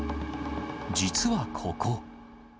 実はここ。